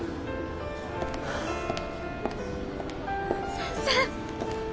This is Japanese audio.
先生